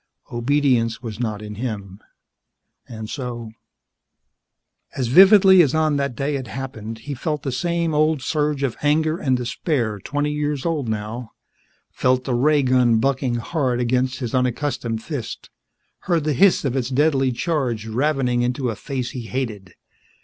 Obedience was not in him, and so As vividly as on that day it happened he felt the same old surge of anger and despair twenty years old now, felt the ray gun bucking hard against his unaccustomed fist, heard the hiss of its deadly charge ravening into a face he hated.